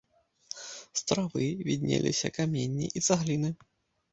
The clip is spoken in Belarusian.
З травы віднеліся каменне і цагліны.